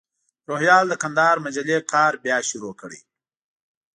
روهیال د کندهار مجلې کار بیا شروع کړی.